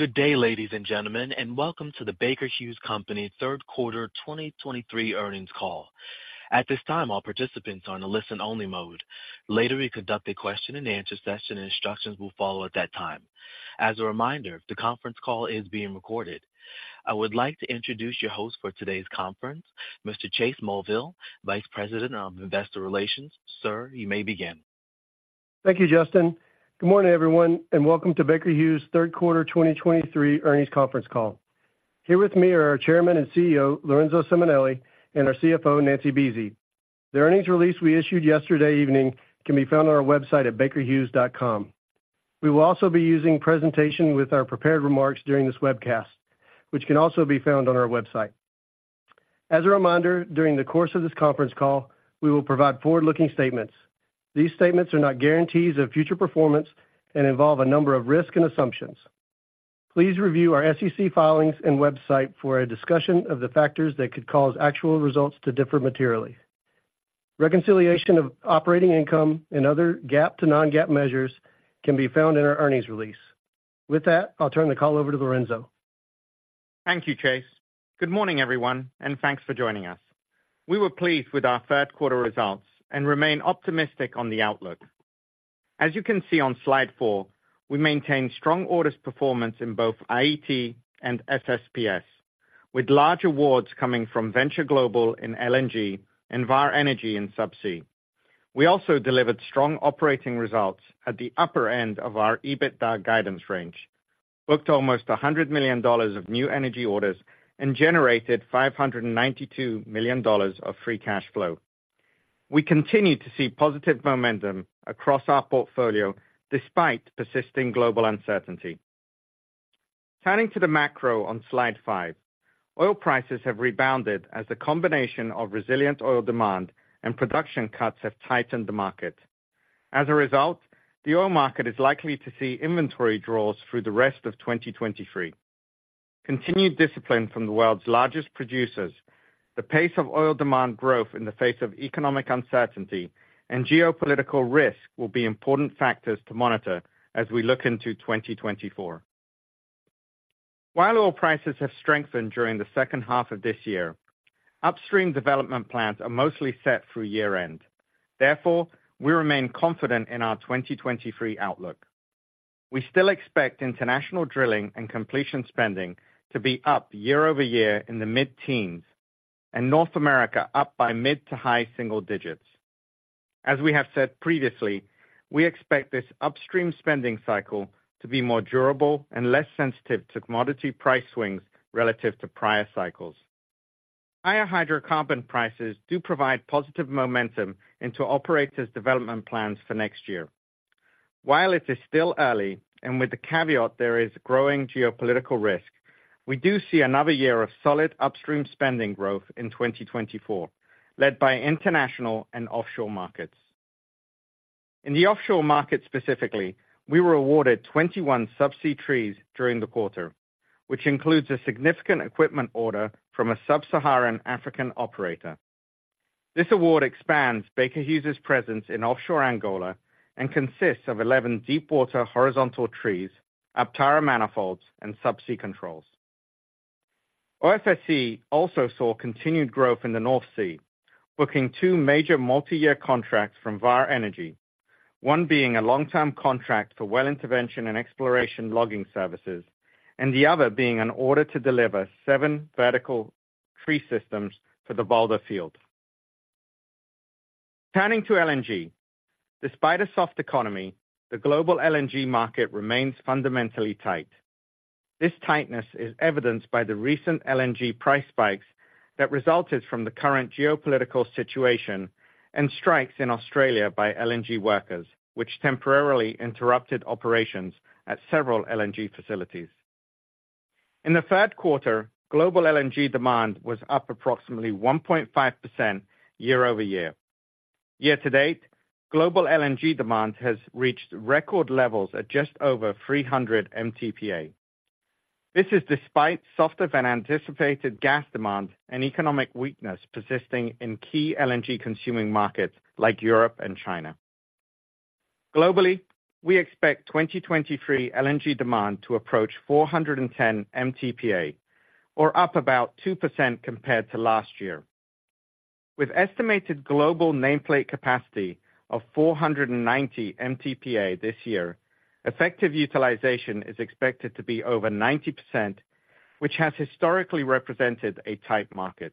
Good day, ladies and gentlemen, and welcome to the Baker Hughes Company third quarter 2023 earnings call. At this time, all participants are on a listen-only mode. Later, we conduct a question-and-answer session, and instructions will follow at that time. As a reminder, the conference call is being recorded. I would like to introduce your host for today's conference, Mr. Chase Mulvehill, Vice President of Investor Relations. Sir, you may begin. Thank you, Justin. Good morning, everyone, and welcome to Baker Hughes's third quarter 2023 earnings conference call. Here with me are our Chairman and CEO, Lorenzo Simonelli, and our CFO, Nancy Buese. The earnings release we issued yesterday evening can be found on our website at bakerhughes.com. We will also be using presentation with our prepared remarks during this webcast, which can also be found on our website. As a reminder, during the course of this conference call, we will provide forward-looking statements. These statements are not guarantees of future performance and involve a number of risks and assumptions. Please review our SEC filings and website for a discussion of the factors that could cause actual results to differ materially. Reconciliation of operating income and other GAAP to non-GAAP measures can be found in our earnings release. With that, I'll turn the call over to Lorenzo. Thank you, Chase. Good morning, everyone, and thanks for joining us. We were pleased with our third quarter results and remain optimistic on the outlook. As you can see on slide four, we maintained strong orders performance in both IET and SSPS, with large awards coming from Venture Global in LNG and Vår Energi in subsea. We also delivered strong operating results at the upper end of our EBITDA guidance range, booked almost $100 million of new energy orders and generated $592 million of free cash flow. We continue to see positive momentum across our portfolio, despite persisting global uncertainty. Turning to the macro on slide five, oil prices have rebounded as a combination of resilient oil demand and production cuts have tightened the market. As a result, the oil market is likely to see inventory draws through the rest of 2023. Continued discipline from the world's largest producers, the pace of oil demand growth in the face of economic uncertainty and geopolitical risk will be important factors to monitor as we look into 2024. While oil prices have strengthened during the second half of this year, upstream development plans are mostly set through year-end. Therefore, we remain confident in our 2023 outlook. We still expect international drilling and completion spending to be up year-over-year in the mid-teens, and North America up by mid- to high-single digits. As we have said previously, we expect this upstream spending cycle to be more durable and less sensitive to commodity price swings relative to prior cycles. Higher hydrocarbon prices do provide positive momentum into operators' development plans for next year. While it is still early, and with the caveat, there is growing geopolitical risk, we do see another year of solid upstream spending growth in 2024, led by international and offshore markets. In the offshore market specifically, we were awarded 21 subsea trees during the quarter, which includes a significant equipment order from a sub-Saharan African operator. This award expands Baker Hughes's presence in offshore Angola and consists of 11 deepwater horizontal trees, Aptara manifolds, and subsea controls. OFSE also saw continued growth in the North Sea, booking two major multi-year contracts from Vår Energi, one being a long-term contract for well intervention and exploration logging services, and the other being an order to deliver seven vertical tree systems for the Balder field. Turning to LNG. Despite a soft economy, the global LNG market remains fundamentally tight. This tightness is evidenced by the recent LNG price spikes that resulted from the current geopolitical situation and strikes in Australia by LNG workers, which temporarily interrupted operations at several LNG facilities. In the third quarter, global LNG demand was up approximately 1.5% year-over-year. Year to date, global LNG demand has reached record levels at just over 300 MTPA. This is despite softer than anticipated gas demand and economic weakness persisting in key LNG consuming markets like Europe and China. Globally, we expect 2023 LNG demand to approach 410 MTPA, or up about 2% compared to last year. With estimated global nameplate capacity of 490 MTPA this year, effective utilization is expected to be over 90%, which has historically represented a tight market.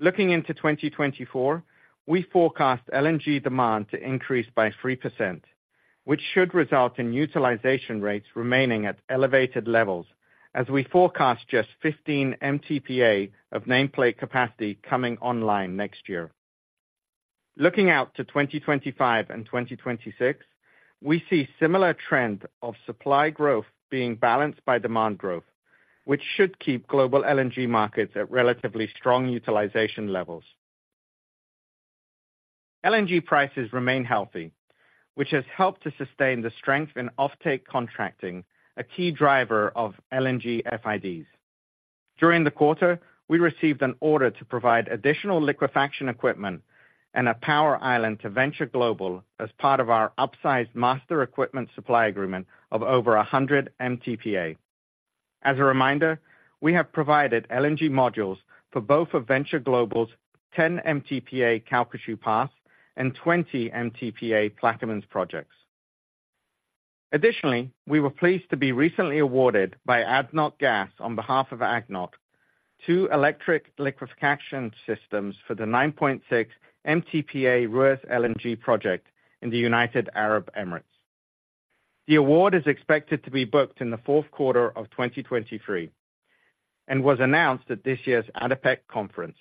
Looking into 2024, we forecast LNG demand to increase by 3%, which should result in utilization rates remaining at elevated levels as we forecast just 15 MTPA of nameplate capacity coming online next year. Looking out to 2025 and 2026, we see similar trend of supply growth being balanced by demand growth, which should keep global LNG markets at relatively strong utilization levels. LNG prices remain healthy, which has helped to sustain the strength in offtake contracting, a key driver of LNG FIDs. During the quarter, we received an order to provide additional liquefaction equipment and a power island to Venture Global as part of our upsized master equipment supply agreement of over 100 MTPA. As a reminder, we have provided LNG modules for both of Venture Global's 10 MTPA Calcasieu Pass and 20 MTPA Plaquemines projects. Additionally, we were pleased to be recently awarded by ADNOC Gas, on behalf of ADNOC, two electric liquefaction systems for the 9.6 MTPA Ruwais LNG project in the United Arab Emirates. The award is expected to be booked in the fourth quarter of 2023, and was announced at this year's ADIPEC conference.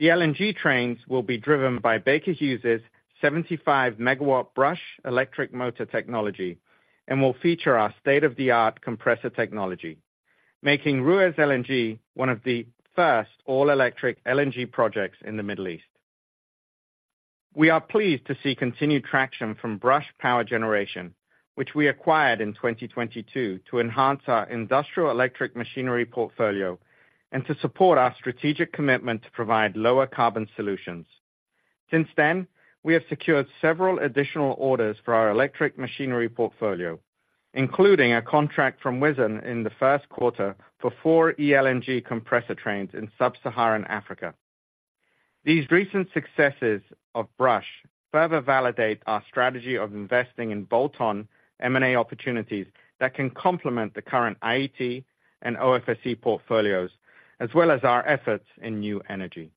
The LNG trains will be driven by Baker Hughes's 75-megawatt Brush electric motor technology, and will feature our state-of-the-art compressor technology, making Ruwais LNG one of the first all-electric LNG projects in the Middle East. We are pleased to see continued traction from Brush Power Generation, which we acquired in 2022 to enhance our industrial electric machinery portfolio and to support our strategic commitment to provide lower carbon solutions. Since then, we have secured several additional orders for our electric machinery portfolio, including a contract from Wison in the first quarter for four e-LNG compressor trains in sub-Saharan Africa. These recent successes of Brush further validate our strategy of investing in bolt-on M&A opportunities that can complement the current IET and OFSE portfolios, as well as our efforts in new energy.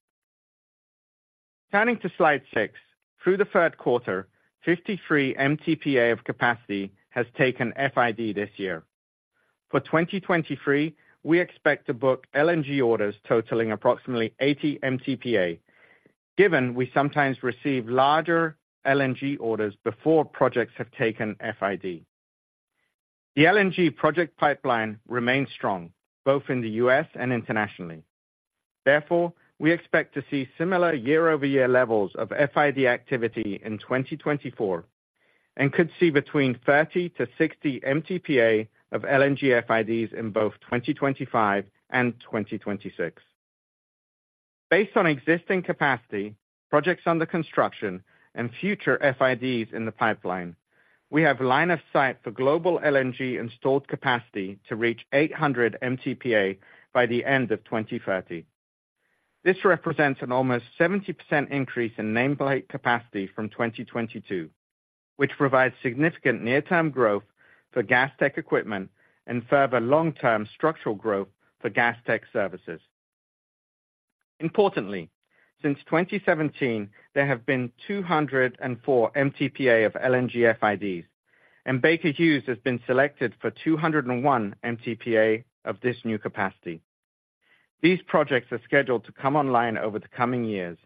Turning to slide six. Through the third quarter, 53 MTPA of capacity has taken FID this year. For 2023, we expect to book LNG orders totaling approximately 80 MTPA, given we sometimes receive larger LNG orders before projects have taken FID. The LNG project pipeline remains strong, both in the US and internationally. Therefore, we expect to see similar year-over-year levels of FID activity in 2024, and could see between 30-60 MTPA of LNG FIDs in both 2025 and 2026. Based on existing capacity, projects under construction, and future FIDs in the pipeline, we have line of sight for global LNG installed capacity to reach 800 MTPA by the end of 2030. This represents an almost 70% increase in nameplate capacity from 2022, which provides significant near-term growth for gas tech equipment and further long-term structural growth for gas tech services. Importantly, since 2017, there have been 204 MTPA of LNG FIDs, and Baker Hughes has been selected for 201 MTPA of this new capacity. These projects are scheduled to come online over the coming years,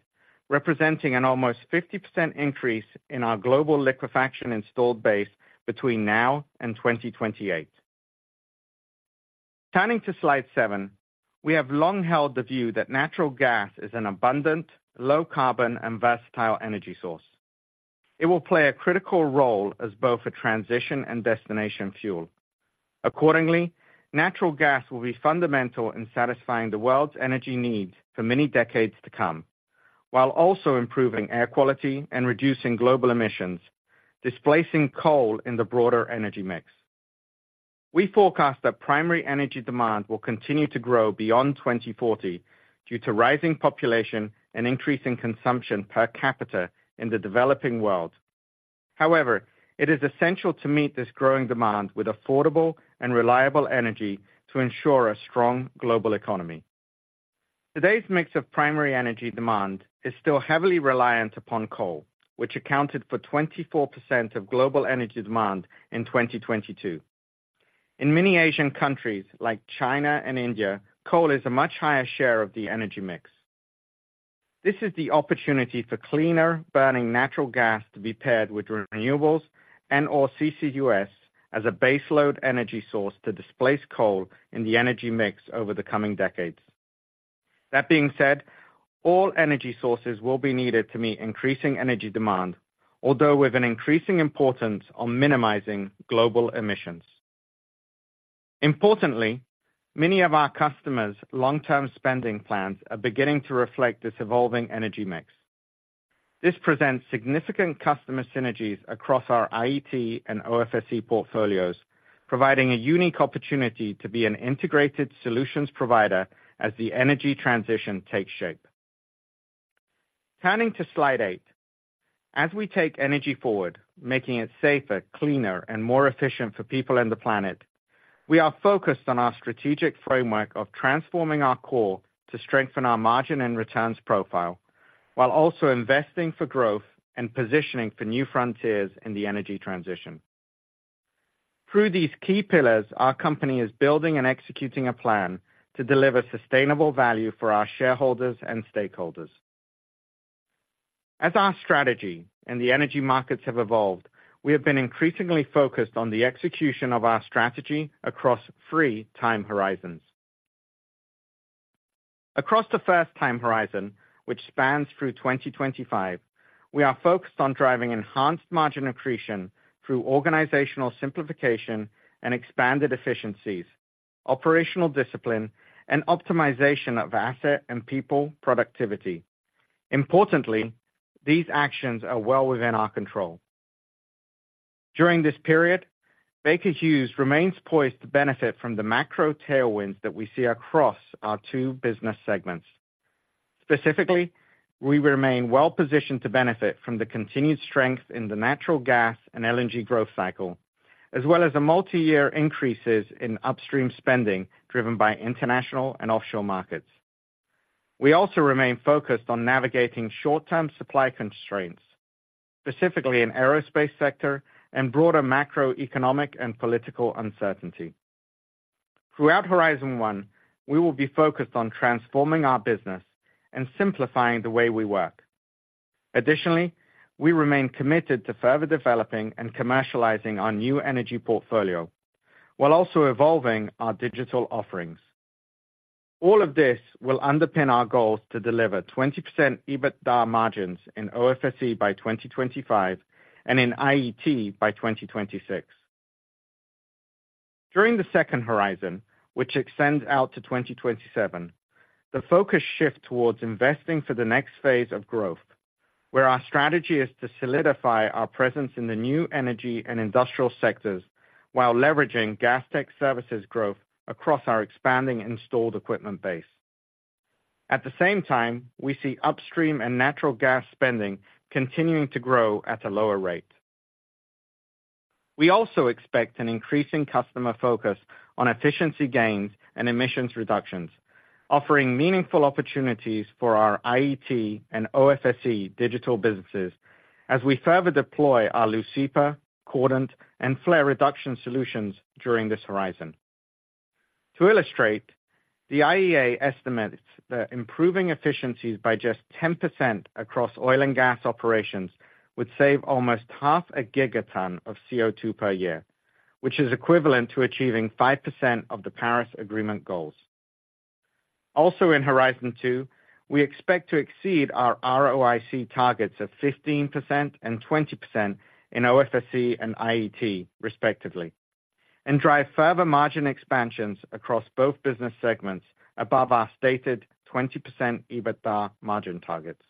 representing an almost 50% increase in our global liquefaction installed base between now and 2028. Turning to slide 7. We have long held the view that natural gas is an abundant, low carbon, and versatile energy source. It will play a critical role as both a transition and destination fuel. Accordingly, natural gas will be fundamental in satisfying the world's energy needs for many decades to come, while also improving air quality and reducing global emissions, displacing coal in the broader energy mix. We forecast that primary energy demand will continue to grow beyond 2040 due to rising population and increasing consumption per capita in the developing world. However, it is essential to meet this growing demand with affordable and reliable energy to ensure a strong global economy. Today's mix of primary energy demand is still heavily reliant upon coal, which accounted for 24% of global energy demand in 2022. In many Asian countries, like China and India, coal is a much higher share of the energy mix. This is the opportunity for cleaner-burning natural gas to be paired with renewables and/or CCUS as a baseload energy source to displace coal in the energy mix over the coming decades. That being said, all energy sources will be needed to meet increasing energy demand, although with an increasing importance on minimizing global emissions. Importantly, many of our customers' long-term spending plans are beginning to reflect this evolving energy mix. This presents significant customer synergies across our IET and OFSE portfolios, providing a unique opportunity to be an integrated solutions provider as the energy transition takes shape. Turning to slide 8. As we take energy forward, making it safer, cleaner, and more efficient for people and the planet, we are focused on our strategic framework of transforming our core to strengthen our margin and returns profile, while also investing for growth and positioning for new frontiers in the energy transition. Through these key pillars, our company is building and executing a plan to deliver sustainable value for our shareholders and stakeholders. As our strategy and the energy markets have evolved, we have been increasingly focused on the execution of our strategy across three time horizons.... Across the first time horizon, which spans through 2025, we are focused on driving enhanced margin accretion through organizational simplification and expanded efficiencies, operational discipline, and optimization of asset and people productivity. Importantly, these actions are well within our control. During this period, Baker Hughes remains poised to benefit from the macro tailwinds that we see across our two business segments. Specifically, we remain well-positioned to benefit from the continued strength in the natural gas and LNG growth cycle, as well as the multi-year increases in upstream spending, driven by international and offshore markets. We also remain focused on navigating short-term supply constraints, specifically in the aerospace sector and broader macroeconomic and political uncertainty. Throughout Horizon One, we will be focused on transforming our business and simplifying the way we work. Additionally, we remain committed to further developing and commercializing our new energy portfolio, while also evolving our digital offerings. All of this will underpin our goals to deliver 20% EBITDA margins in OFSE by 2025, and in IET by 2026. During the second horizon, which extends out to 2027, the focus shift towards investing for the next phase of growth, where our strategy is to solidify our presence in the new energy and industrial sectors, while leveraging Gas Tech Services growth across our expanding installed equipment base. At the same time, we see upstream and natural gas spending continuing to grow at a lower rate. We also expect an increasing customer focus on efficiency gains and emissions reductions, offering meaningful opportunities for our IET and OFSE digital businesses as we further deploy our Leucipa, Cordant, and Flare reduction solutions during this horizon. To illustrate, the IEA estimates that improving efficiencies by just 10% across oil and gas operations, would save almost 0.5 gigaton of CO₂ per year, which is equivalent to achieving 5% of the Paris Agreement goals. Also, in Horizon Two, we expect to exceed our ROIC targets of 15% and 20% in OFSE and IET, respectively, and drive further margin expansions across both business segments above our stated 20% EBITDA margin targets.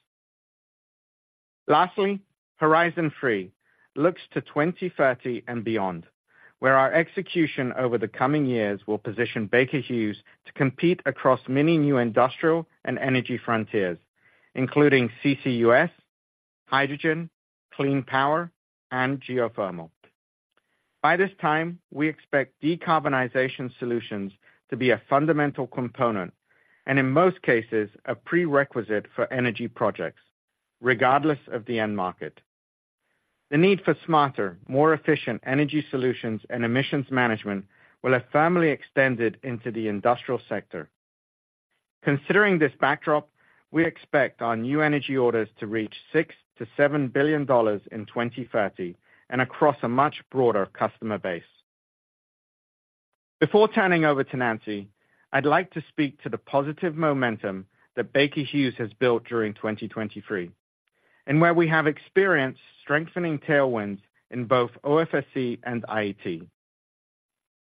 Lastly, Horizon Three looks to 2030 and beyond, where our execution over the coming years will position Baker Hughes to compete across many new industrial and energy frontiers, including CCUS, hydrogen, clean power, and geothermal. By this time, we expect decarbonization solutions to be a fundamental component, and in most cases, a prerequisite for energy projects, regardless of the end market. The need for smarter, more efficient energy solutions and emissions management will have firmly extended into the industrial sector. Considering this backdrop, we expect our new energy orders to reach $6 billion-$7 billion in 2030 and across a much broader customer base. Before turning over to Nancy, I'd like to speak to the positive momentum that Baker Hughes has built during 2023, and where we have experienced strengthening tailwinds in both OFSE and IET.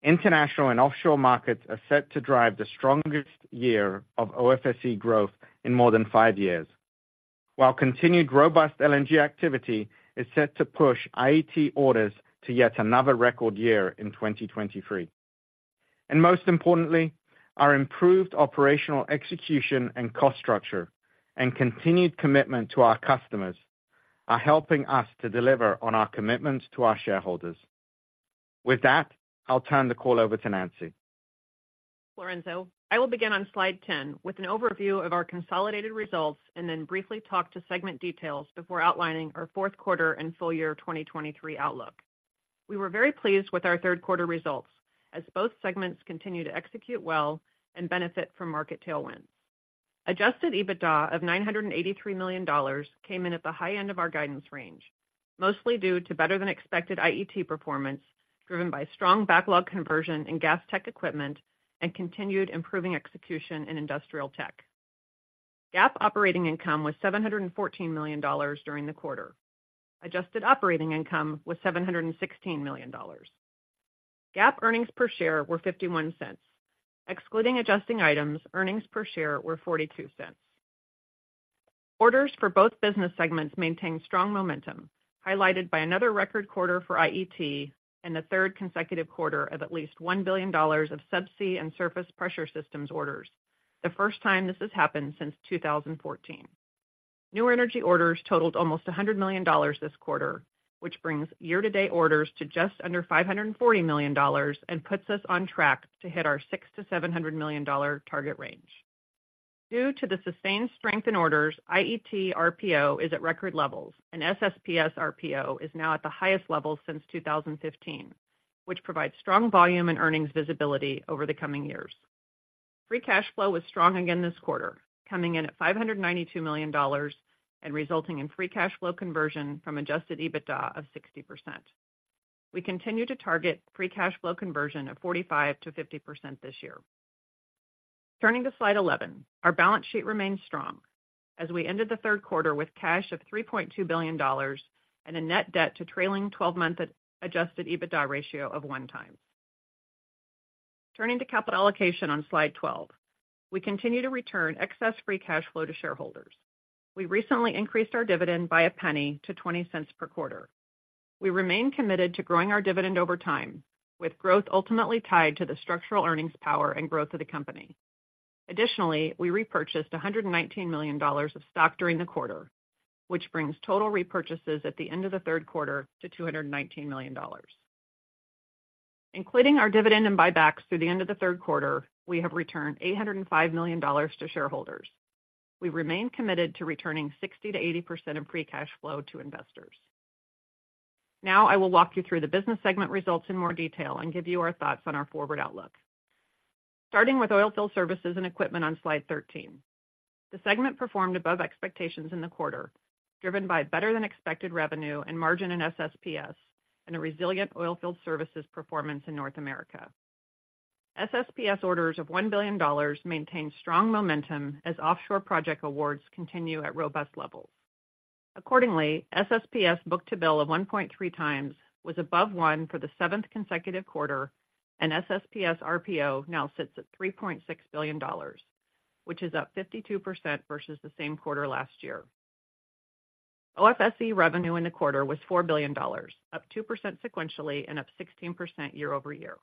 International and offshore markets are set to drive the strongest year of OFSE growth in more than five years, while continued robust LNG activity is set to push IET orders to yet another record year in 2023. And most importantly, our improved operational execution and cost structure and continued commitment to our customers are helping us to deliver on our commitments to our shareholders. With that, I'll turn the call over to Nancy. Lorenzo, I will begin on slide 10 with an overview of our consolidated results, and then briefly talk to segment details before outlining our fourth quarter and full year 2023 outlook. We were very pleased with our third quarter results, as both segments continue to execute well and benefit from market tailwinds. Adjusted EBITDA of $983 million came in at the high end of our guidance range, mostly due to better than expected IET performance, driven by strong backlog conversion in gas tech equipment and continued improving execution in industrial tech. GAAP operating income was $714 million during the quarter. Adjusted operating income was $716 million. GAAP earnings per share were $0.51. Excluding adjusting items, earnings per share were $0.42. Orders for both business segments maintained strong momentum, highlighted by another record quarter for IET and the third consecutive quarter of at least $1 billion of Subsea and Surface Pressure Systems orders. The first time this has happened since 2014. New energy orders totaled almost $100 million this quarter, which brings year-to-date orders to just under $540 million and puts us on track to hit our $600 million-$700 million target range. Due to the sustained strength in orders, IET RPO is at record levels, and SSPS RPO is now at the highest level since 2015, which provides strong volume and earnings visibility over the coming years. Free cash flow was strong again this quarter, coming in at $592 million, and resulting in free cash flow conversion from adjusted EBITDA of 60%. We continue to target free cash flow conversion of 45%-50% this year. Turning to slide 11, our balance sheet remains strong as we ended the third quarter with cash of $3.2 billion and a net debt to trailing twelve-month adjusted EBITDA ratio of 1x. Turning to capital allocation on slide 12, we continue to return excess free cash flow to shareholders. We recently increased our dividend by $0.01 to $0.20 per quarter. We remain committed to growing our dividend over time, with growth ultimately tied to the structural earnings, power, and growth of the company. Additionally, we repurchased $119 million of stock during the quarter, which brings total repurchases at the end of the third quarter to $219 million. Including our dividend and buybacks through the end of the third quarter, we have returned $805 million to shareholders. We remain committed to returning 60%-80% of free cash flow to investors. Now, I will walk you through the business segment results in more detail and give you our thoughts on our forward outlook. Starting with Oilfield Services and Equipment on slide 13. The segment performed above expectations in the quarter, driven by better-than-expected revenue and margin in SSPS, and a resilient oilfield services performance in North America. SSPS orders of $1 billion maintained strong momentum as offshore project awards continue at robust levels. Accordingly, SSPS book-to-bill of 1.3 times was above one for the seventh consecutive quarter, and SSPS RPO now sits at $3.6 billion, which is up 52% versus the same quarter last year. OFSE revenue in the quarter was $4 billion, up 2% sequentially and up 16% year-over-year.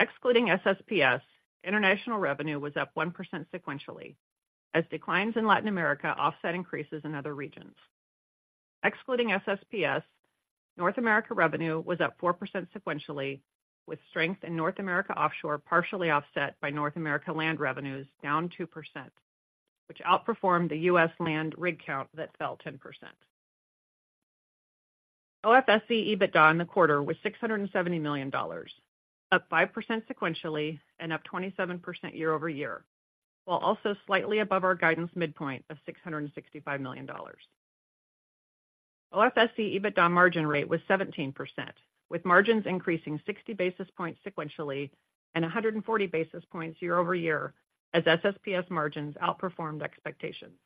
Excluding SSPS, international revenue was up 1% sequentially, as declines in Latin America offset increases in other regions. Excluding SSPS, North America revenue was up 4% sequentially, with strength in North America offshore partially offset by North America land revenues down 2%, which outperformed the U.S. land rig count that fell 10%. OFSE EBITDA in the quarter was $670 million, up 5% sequentially and up 27% year-over-year, while also slightly above our guidance midpoint of $665 million. OFSE EBITDA margin rate was 17%, with margins increasing 60 basis points sequentially and 140 basis points year-over-year as SSPS margins outperformed expectations.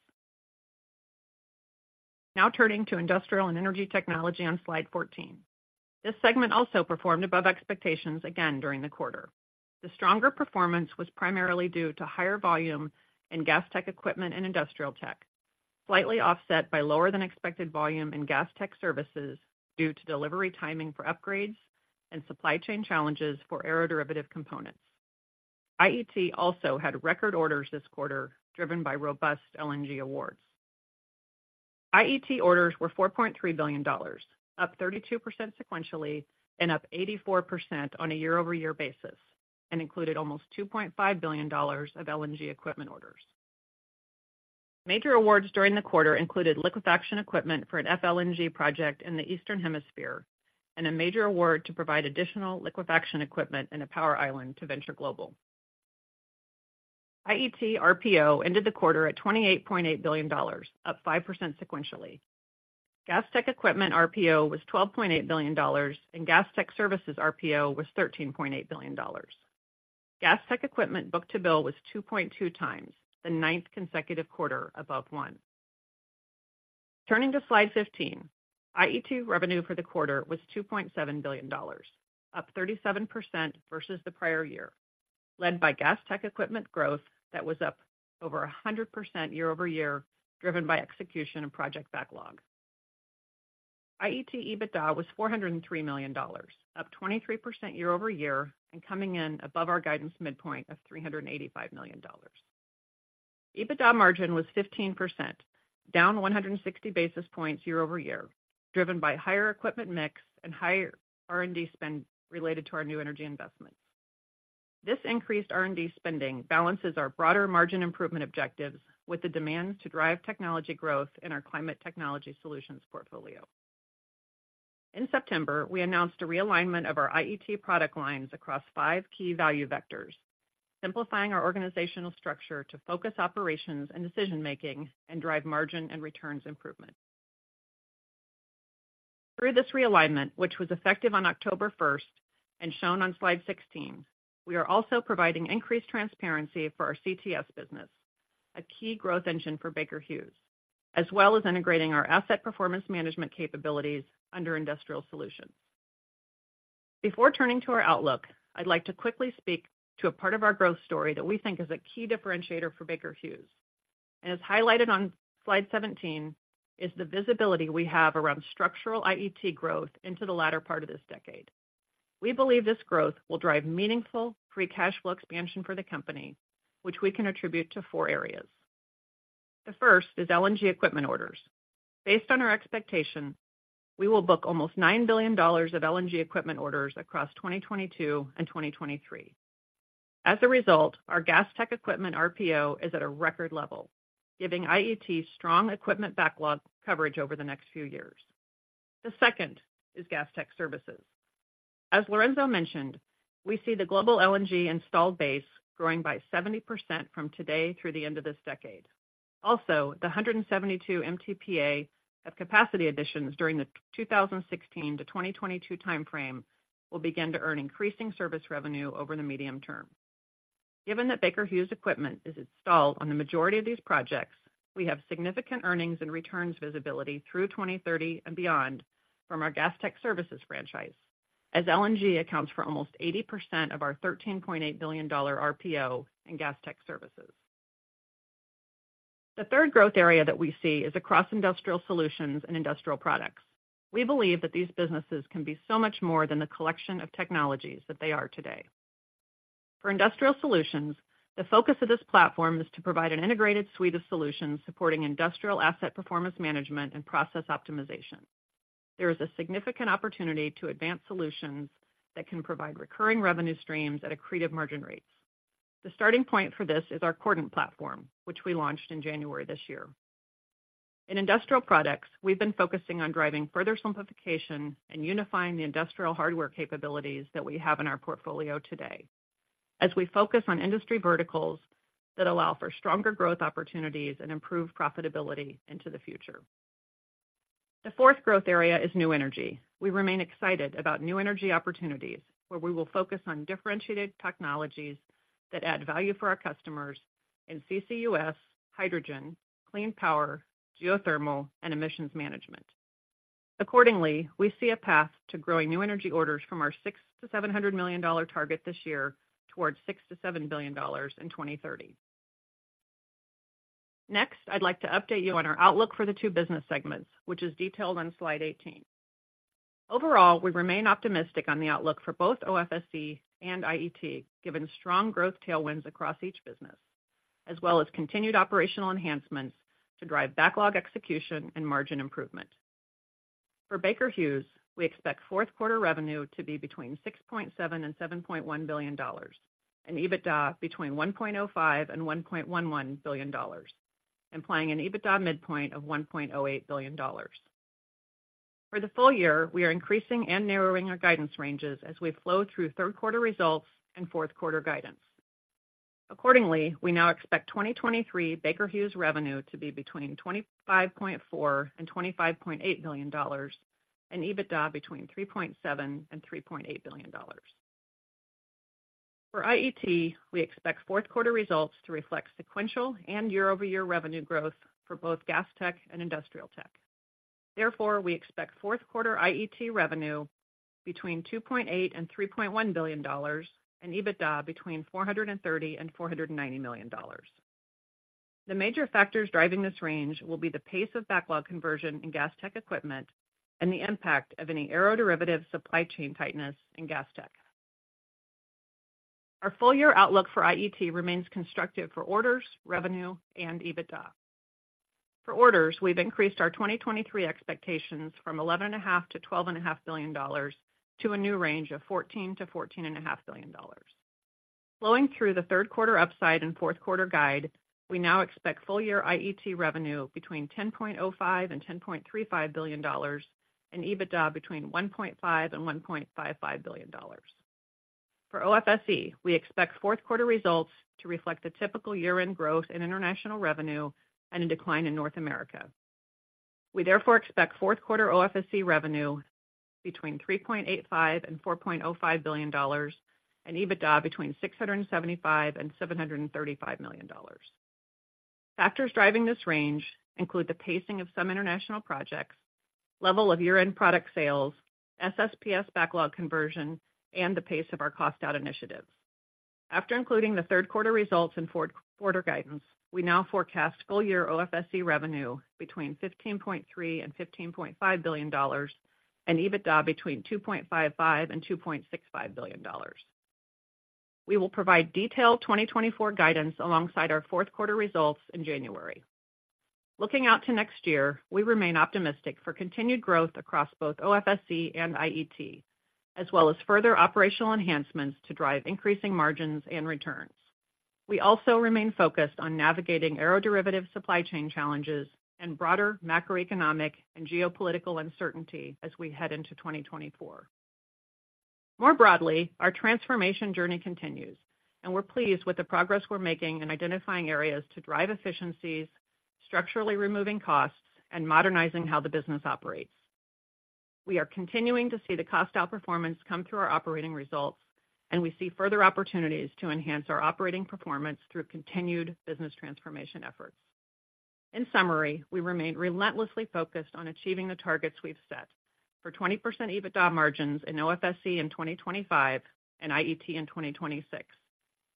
Now turning to Industrial and Energy Technology on slide 14. This segment also performed above expectations again during the quarter. The stronger performance was primarily due to higher volume in Gas Tech Equipment and Industrial Tech, slightly offset by lower than expected volume in Gas Tech Services due to delivery timing for upgrades and supply chain challenges for aeroderivative components. IET also had record orders this quarter, driven by robust LNG awards. IET orders were $4.3 billion, up 32% sequentially and up 84% on a year-over-year basis, and included almost $2.5 billion of LNG equipment orders. Major awards during the quarter included liquefaction equipment for an FLNG project in the Eastern Hemisphere and a major award to provide additional liquefaction equipment in a power island to Venture Global. IET RPO ended the quarter at $28.8 billion, up 5% sequentially. Gas Tech Equipment RPO was $12.8 billion, and Gas Tech Services RPO was $13.8 billion. Gas Tech Equipment book-to-bill was 2.2x, the ninth consecutive quarter above one. Turning to slide 15, IET revenue for the quarter was $2.7 billion, up 37% versus the prior year, led by gas tech equipment growth that was up over 100% year-over-year, driven by execution and project backlog. IET EBITDA was $403 million, up 23% year-over-year and coming in above our guidance midpoint of $385 million. EBITDA margin was 15%, down 160 basis points year-over-year, driven by higher equipment mix and higher R&D spend related to our new energy investments. This increased R&D spending balances our broader margin improvement objectives with the demands to drive technology growth in our climate technology solutions portfolio. In September, we announced a realignment of our IET product lines across five key value vectors, simplifying our organizational structure to focus operations and decision-making and drive margin and returns improvement. Through this realignment, which was effective on October 1 and shown on slide 16, we are also providing increased transparency for our CTS business, a key growth engine for Baker Hughes, as well as integrating our asset performance management capabilities under Industrial Solutions. Before turning to our outlook, I'd like to quickly speak to a part of our growth story that we think is a key differentiator for Baker Hughes. As highlighted on slide 17, is the visibility we have around structural IET growth into the latter part of this decade. We believe this growth will drive meaningful free cash flow expansion for the company, which we can attribute to four areas. The first is LNG equipment orders. Based on our expectation, we will book almost $9 billion of LNG equipment orders across 2022 and 2023. As a result, our gas tech equipment RPO is at a record level, giving IET strong equipment backlog coverage over the next few years. The second is gas tech services. As Lorenzo mentioned, we see the global LNG installed base growing by 70% from today through the end of this decade. Also, the 172 MTPA of capacity additions during the 2016 to 2022 time frame, will begin to earn increasing service revenue over the medium term. Given that Baker Hughes equipment is installed on the majority of these projects, we have significant earnings and returns visibility through 2030 and beyond from our Gas Tech Services franchise, as LNG accounts for almost 80% of our $13.8 billion RPO in Gas Tech Services. The third growth area that we see is across industrial solutions and industrial products. We believe that these businesses can be so much more than the collection of technologies that they are today. For industrial solutions, the focus of this platform is to provide an integrated suite of solutions supporting industrial asset performance management and process optimization. There is a significant opportunity to advance solutions that can provide recurring revenue streams at accretive margin rates. The starting point for this is our Cordant platform, which we launched in January this year. In industrial products, we've been focusing on driving further simplification and unifying the industrial hardware capabilities that we have in our portfolio today, as we focus on industry verticals that allow for stronger growth opportunities and improve profitability into the future. The fourth growth area is new energy. We remain excited about new energy opportunities, where we will focus on differentiated technologies that add value for our customers in CCUS, hydrogen, clean power, geothermal, and emissions management. Accordingly, we see a path to growing new energy orders from our $600-$700 million target this year towards $6-$7 billion in 2030. Next, I'd like to update you on our outlook for the two business segments, which is detailed on slide 18. Overall, we remain optimistic on the outlook for both OFSE and IET, given strong growth tailwinds across each business, as well as continued operational enhancements to drive backlog execution and margin improvement. For Baker Hughes, we expect fourth quarter revenue to be between $6.7 billion and $7.1 billion, and EBITDA between $1.05 billion and $1.11 billion, implying an EBITDA midpoint of $1.08 billion. For the full year, we are increasing and narrowing our guidance ranges as we flow through third quarter results and fourth quarter guidance. Accordingly, we now expect 2023 Baker Hughes revenue to be between $25.4 billion and $25.8 billion, and EBITDA between $3.7 billion and $3.8 billion. For IET, we expect fourth quarter results to reflect sequential and year-over-year revenue growth for both gas tech and industrial tech. Therefore, we expect fourth quarter IET revenue between $2.8 billion-$3.1 billion, and EBITDA between $430 million-$490 million. The major factors driving this range will be the pace of backlog conversion in gas tech equipment and the impact of any aeroderivative supply chain tightness in gas tech. Our full year outlook for IET remains constructive for orders, revenue, and EBITDA. For orders, we've increased our 2023 expectations from $11.5 billion-$12.5 billion to a new range of $14 billion-$14.5 billion. Flowing through the third quarter upside and fourth quarter guide, we now expect full year IET revenue between $10.05 billion-$10.35 billion, and EBITDA between $1.5 billion-$1.55 billion. For OFSE, we expect fourth quarter results to reflect the typical year-end growth in international revenue and a decline in North America. We therefore expect fourth quarter OFSE revenue between $3.85 billion-$4.05 billion, and EBITDA between $675 million-$735 million. Factors driving this range include the pacing of some international projects, level of year-end product sales, SSPS backlog conversion, and the pace of our cost out initiatives. After including the third quarter results in fourth quarter guidance, we now forecast full year OFSE revenue between $15.3 billion and $15.5 billion, and EBITDA between $2.55 billion and $2.65 billion. We will provide detailed 2024 guidance alongside our fourth quarter results in January. Looking out to next year, we remain optimistic for continued growth across both OFSE and IET, as well as further operational enhancements to drive increasing margins and returns. We also remain focused on navigating aeroderivative supply chain challenges and broader macroeconomic and geopolitical uncertainty as we head into 2024. More broadly, our transformation journey continues, and we're pleased with the progress we're making in identifying areas to drive efficiencies, structurally removing costs, and modernizing how the business operates. We are continuing to see the cost out performance come through our operating results, and we see further opportunities to enhance our operating performance through continued business transformation efforts. In summary, we remain relentlessly focused on achieving the targets we've set for 20% EBITDA margins in OFSE in 2025 and IET in 2026,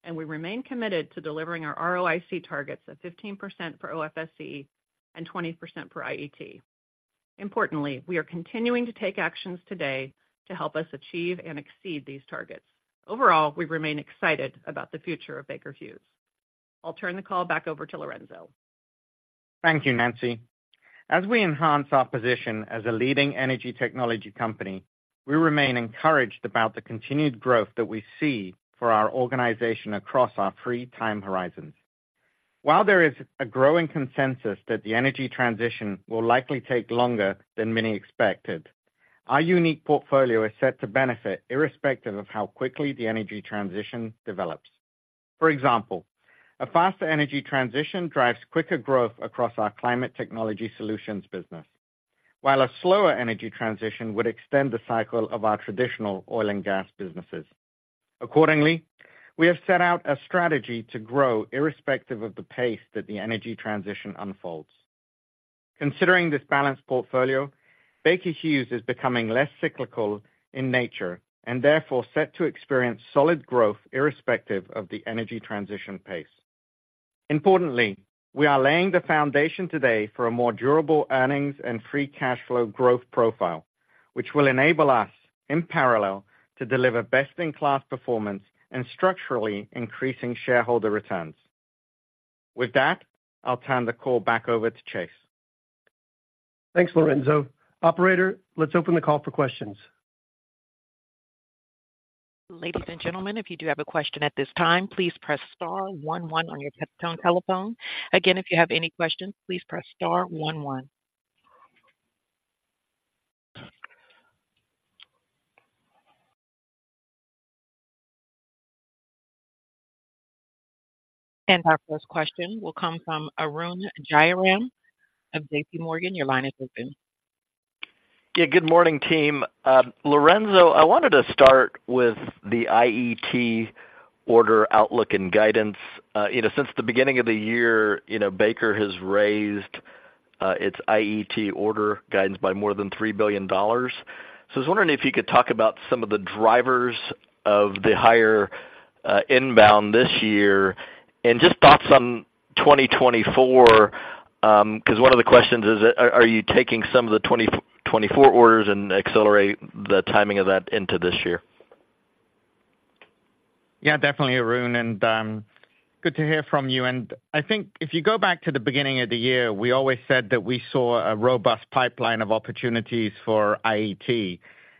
and we remain committed to delivering our ROIC targets of 15% for OFSE and 20% for IET. Importantly, we are continuing to take actions today to help us achieve and exceed these targets. Overall, we remain excited about the future of Baker Hughes. I'll turn the call back over to Lorenzo. Thank you, Nancy. As we enhance our position as a leading energy technology company, we remain encouraged about the continued growth that we see for our organization across our three time horizons. While there is a growing consensus that the energy transition will likely take longer than many expected, our unique portfolio is set to benefit irrespective of how quickly the energy transition develops. For example, a faster energy transition drives quicker growth across our climate technology solutions business, while a slower energy transition would extend the cycle of our traditional oil and gas businesses. Accordingly, we have set out a strategy to grow irrespective of the pace that the energy transition unfolds. Considering this balanced portfolio, Baker Hughes is becoming less cyclical in nature, and therefore set to experience solid growth irrespective of the energy transition pace. Importantly, we are laying the foundation today for a more durable earnings and free cash flow growth profile, which will enable us, in parallel, to deliver best-in-class performance and structurally increasing shareholder returns. With that, I'll turn the call back over to Chase. Thanks, Lorenzo. Operator, let's open the call for questions. Ladies and gentlemen, if you do have a question at this time, please press star one one on your touchtone telephone. Again, if you have any questions, please press star one one. Our first question will come from Arun Jayaram of J.P. Morgan. Your line is open. Yeah, good morning, team. Lorenzo, I wanted to start with the IET order outlook and guidance. You know, since the beginning of the year, you know, Baker has raised its IET order guidance by more than $3 billion. So I was wondering if you could talk about some of the drivers of the higher inbound this year, and just thoughts on 2024, 'cause one of the questions is, are you taking some of the 2024 orders and accelerate the timing of that into this year? Yeah, definitely, Arun, and good to hear from you. I think if you go back to the beginning of the year, we always said that we saw a robust pipeline of opportunities for IET.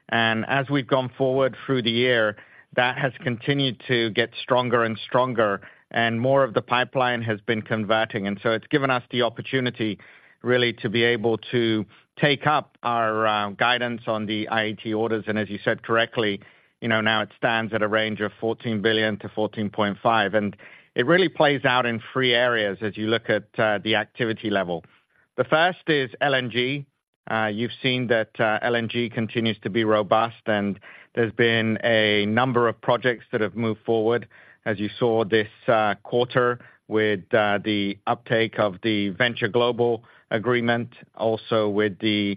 And as we've gone forward through the year, that has continued to get stronger and stronger, and more of the pipeline has been converting. And so it's given us the opportunity, really, to be able to take up our guidance on the IET orders. And as you said correctly, you know, now it stands at a range of $14 billion-$14.5 billion. And it really plays out in three areas as you look at the activity level. The first is LNG. You've seen that, LNG continues to be robust, and there's been a number of projects that have moved forward, as you saw this quarter, with the uptake of the Venture Global agreement, also with the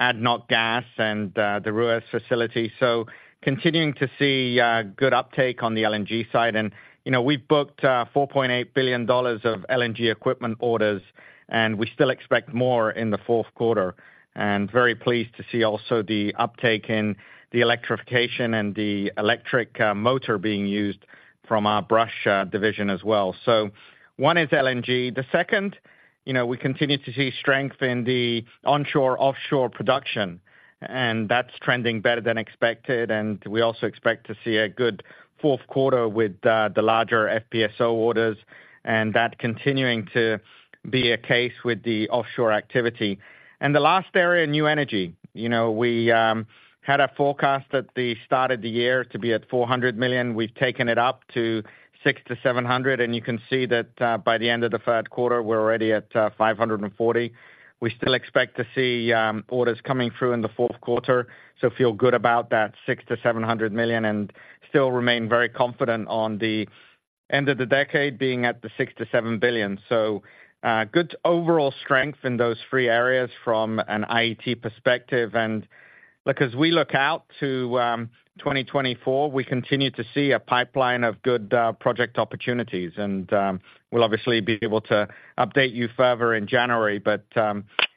ADNOC Gas and the Ruwais facility. So continuing to see good uptake on the LNG side. And, you know, we've booked $4.8 billion of LNG equipment orders, and we still expect more in the fourth quarter, and very pleased to see also the uptake in the electrification and the electric motor being used from our Brush division as well. So one is LNG. The second, you know, we continue to see strength in the onshore-offshore production, and that's trending better than expected, and we also expect to see a good fourth quarter with the larger FPSO orders, and that continuing to be a case with the offshore activity. The last area, new energy. You know, we had a forecast at the start of the year to be at $400 million. We've taken it up to $600-$700 million, and you can see that by the end of the third quarter, we're already at $540 million. We still expect to see orders coming through in the fourth quarter, so feel good about that $600-$700 million and still remain very confident on the end of the decade being at the $6-$7 billion. Good overall strength in those three areas from an IET perspective. Look, as we look out to 2024, we continue to see a pipeline of good project opportunities. We'll obviously be able to update you further in January, but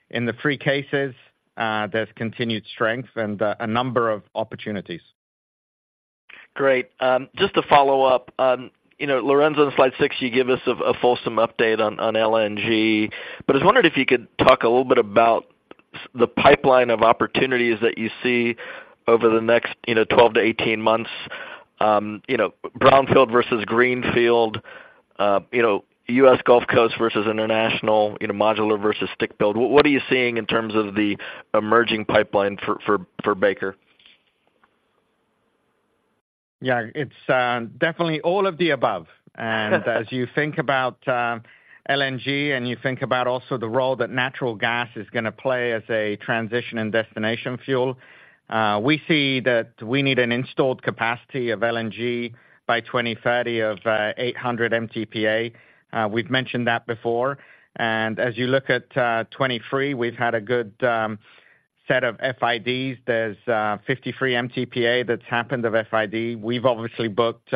in the three cases, there's continued strength and a number of opportunities. Great. Just to follow up, you know, Lorenzo, on slide six, you give us a fulsome update on LNG. But I was wondering if you could talk a little bit about the pipeline of opportunities that you see over the next, you know, 12-18 months, you know, brownfield versus greenfield, you know, U.S. Gulf Coast versus international, you know, modular versus stick build. What are you seeing in terms of the emerging pipeline for Baker? Yeah, it's definitely all of the above. And as you think about LNG, and you think about also the role that natural gas is gonna play as a transition and destination fuel, we see that we need an installed capacity of LNG by 2030 of 800 MTPA. We've mentioned that before, and as you look at 2023, we've had a good set of FIDs. There's 53 MTPA that's happened of FID. We've obviously booked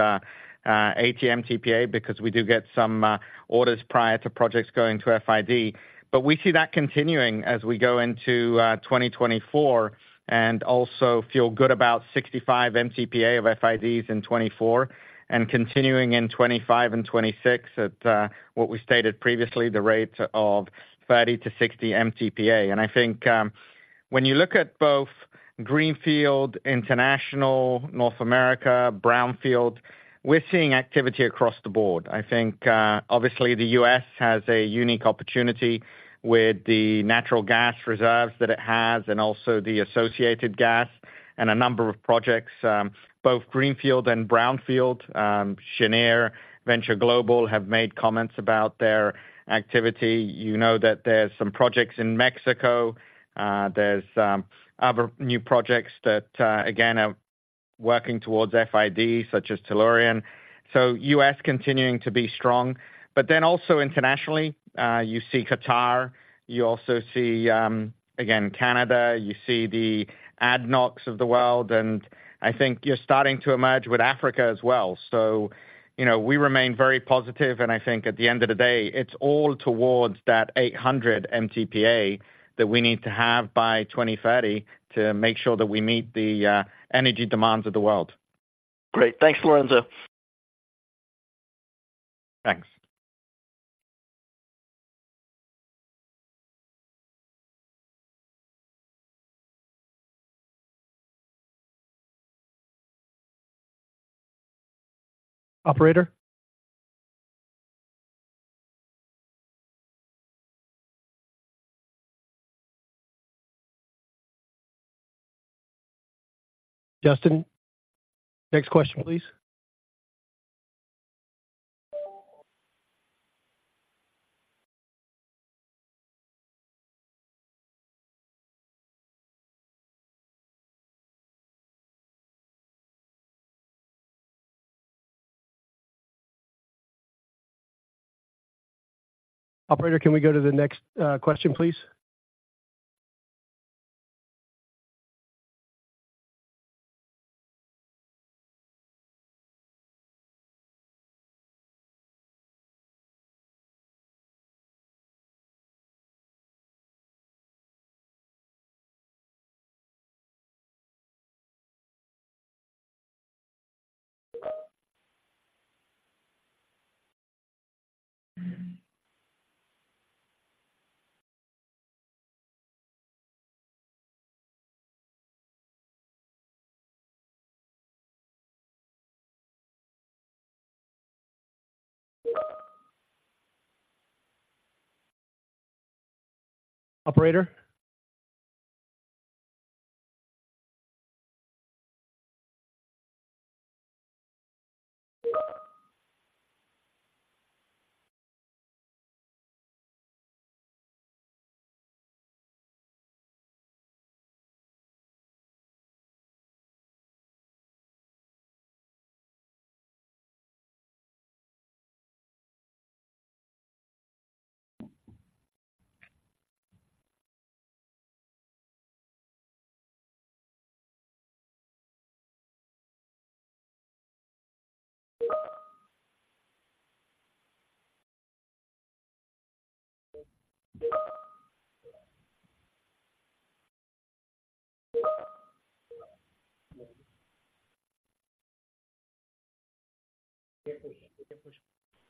80 MTPA, because we do get some orders prior to projects going to FID. But we see that continuing as we go into 2024, and also feel good about 65 MTPA of FIDs in 2024, and continuing in 2025 and 2026 at what we stated previously, the rate of 30-60 MTPA. I think when you look at both Greenfield, International, North America, Brownfield, we're seeing activity across the board. I think obviously, the US has a unique opportunity with the natural gas reserves that it has and also the associated gas and a number of projects, both Greenfield and Brownfield. Cheniere, Venture Global, have made comments about their activity. You know that there's some projects in Mexico. There's other new projects that again, are working towards FID, such as Tellurian. US continuing to be strong. But then also internationally, you see Qatar, you also see again, Canada, you see the ADNOCs of the world, and I think you're starting to emerge with Africa as well. So, you know, we remain very positive, and I think at the end of the day, it's all towards that 800 MTPA that we need to have by 2030 to make sure that we meet the energy demands of the world. Great. Thanks, Lorenzo. Thanks. Operator? Justin, next question, please. Operator, can we go to the next question, please? Operator?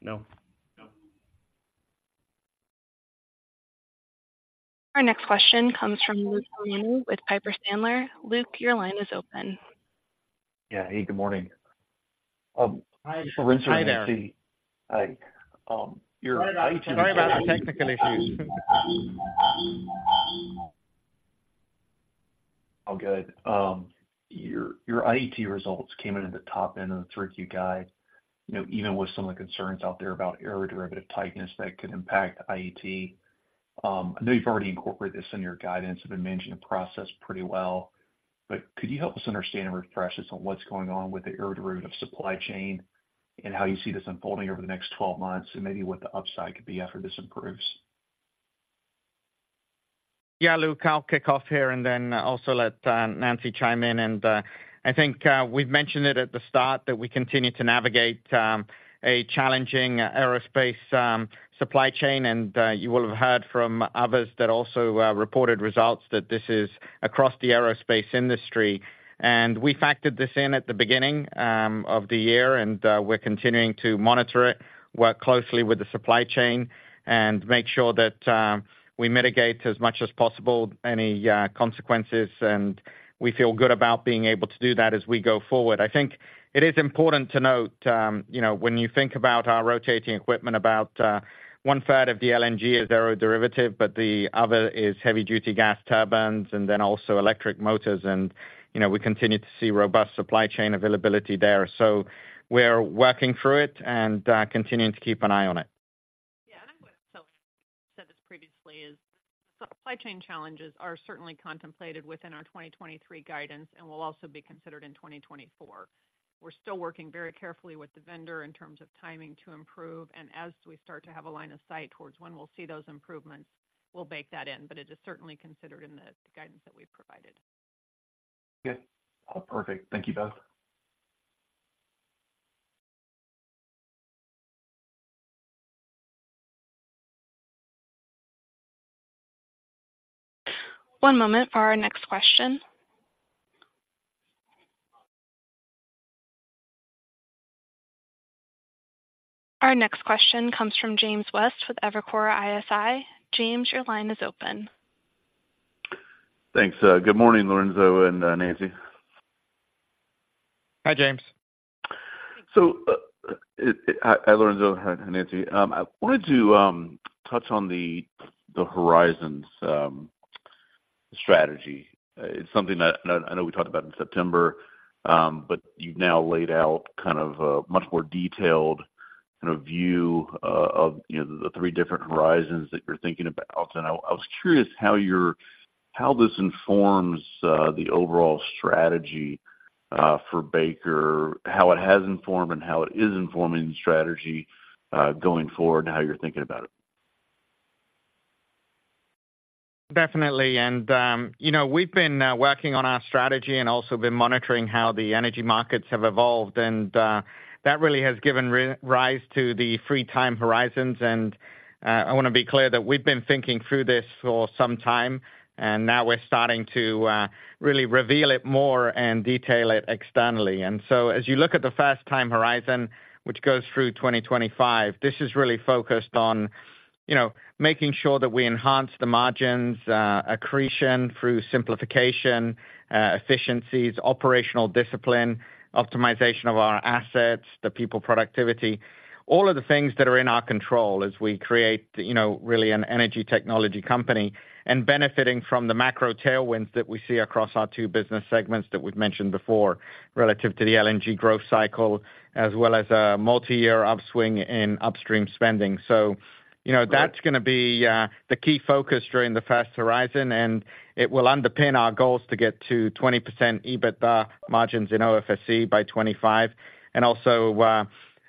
No. Our next question comes from Luke Lemoine with Piper Sandler. Luke, your line is open. Yeah. Hey, good morning. Hi, Lorenzo and Nancy. Hi there. Hi. Sorry about our technical issues. All good. Your, your IET results came in at the top end of the three-Q guide, you know, even with some of the concerns out there about aeroderivative tightness that could impact IET. I know you've already incorporated this in your guidance and been managing the process pretty well, but could you help us understand and refresh us on what's going on with the aeroderivative supply chain and how you see this unfolding over the next twelve months, and maybe what the upside could be after this improves? Yeah, Luke, I'll kick off here and then also let Nancy chime in. I think we've mentioned it at the start that we continue to navigate a challenging aerospace supply chain. You will have heard from others that also reported results that this is across the aerospace industry. We factored this in at the beginning of the year, and we're continuing to monitor it, work closely with the supply chain, and make sure that we mitigate as much as possible any consequences, and we feel good about being able to do that as we go forward. I think it is important to note, you know, when you think about our rotating equipment, about one third of the LNG is Aeroderivative, but the other is heavy-duty gas turbines and then also electric motors. you know, we continue to see robust supply chain availability there. So we're working through it and continuing to keep an eye on it. Yeah, and what Phil said this previously is, supply chain challenges are certainly contemplated within our 2023 guidance and will also be considered in 2024. We're still working very carefully with the vendor in terms of timing to improve. And as we start to have a line of sight towards when we'll see those improvements, we'll bake that in, but it is certainly considered in the guidance that we've provided. Okay. Perfect. Thank you both. One moment for our next question. Our next question comes from James West with Evercore ISI. James, your line is open. Thanks. Good morning, Lorenzo and Nancy. Hi, James. So, hi, Lorenzo. Hi, Nancy. I wanted to touch on the Horizons strategy. It's something that I know we talked about in September, but you've now laid out kind of a much more detailed kind of view of, you know, the three different horizons that you're thinking about. And I was curious how you're—how this informs the overall strategy for Baker, how it has informed and how it is informing the strategy going forward, and how you're thinking about it. Definitely. You know, we've been working on our strategy and also been monitoring how the energy markets have evolved, and that really has given rise to the three time horizons. I wanna be clear that we've been thinking through this for some time, and now we're starting to really reveal it more and detail it externally. So as you look at the first time horizon, which goes through 2025, this is really focused on, you know, making sure that we enhance the margins, accretion through simplification, efficiencies, operational discipline, optimization of our assets, the people productivity. All of the things that are in our control as we create, you know, really an energy technology company, and benefiting from the macro tailwinds that we see across our two business segments that we've mentioned before, relative to the LNG growth cycle, as well as a multi-year upswing in upstream spending. So, you know, that's gonna be the key focus during the first horizon, and it will underpin our goals to get to 20% EBITDA margins in OFSE by 2025, and also,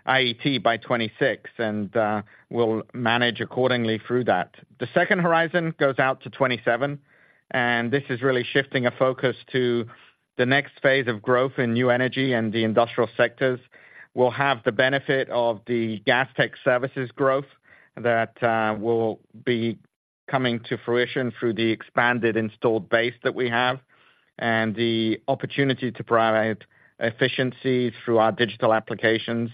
IET by 2026, and, we'll manage accordingly through that. The second horizon goes out to 2027, and this is really shifting a focus to the next phase of growth in new energy and the industrial sectors. We'll have the benefit of the gas tech services growth that will be coming to fruition through the expanded installed base that we have, and the opportunity to provide efficiencies through our digital applications,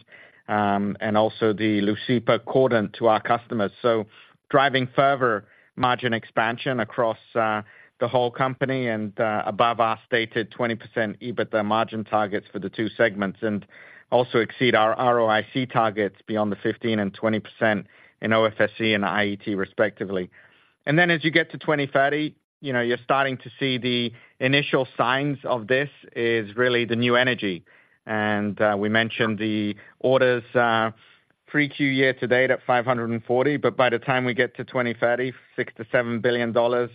and also the Leucipa, Cordant to our customers. So driving further margin expansion across the whole company and above our stated 20% EBITDA margin targets for the two segments, and also exceed our ROIC targets beyond the 15% and 20% in OFSE and IET, respectively. And then as you get to 2030, you know, you're starting to see the initial signs of this is really the new energy. We mentioned the orders pre-Q year to date at 540, but by the time we get to 2030, $6 billion-$7